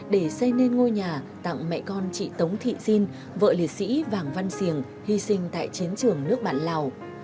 để xây nên ngôi nhà tặng mẹ con chị tống thị diên vợ liệt sĩ vàng văn siềng hy sinh tại chiến trường nước bạn lào